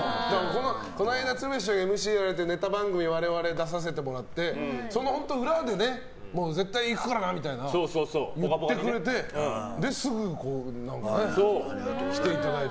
この間、鶴瓶師匠がＭＣやっているネタ番組、我々出させてもらって裏で絶対行くからなみたいな言ってくれてすぐこうやって来ていただいて。